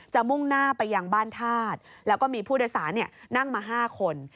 มุ่งหน้าไปยังบ้านธาตุแล้วก็มีผู้โดยสารนั่งมา๕คน